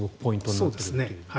そうですね。